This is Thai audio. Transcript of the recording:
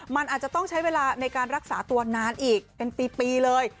มันอาจจะต้องใช้เวลาในการรักษาตัวนานอีกเป็นปีเลย